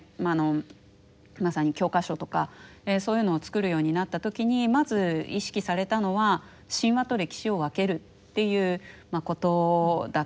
まさに教科書とかそういうのを作るようになった時にまず意識されたのは神話と歴史を分けるということだったわけですね。